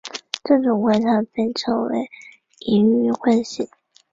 这种现象被称为盈余惯性。